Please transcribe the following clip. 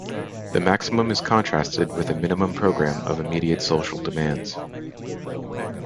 The maximum is contrasted with a minimum programme of immediate social demands.